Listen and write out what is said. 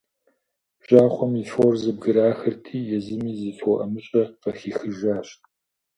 Бжьахъуэм и фор зэбграхырти, езыми зы фо ӀэмыщӀэ къыхихыжащ.